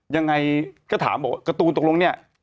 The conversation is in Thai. อ๋อยังไงก็ถามการ์ตูนตกลงเนี่ย